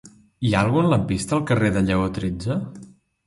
Hi ha algun lampista al carrer de Lleó tretze?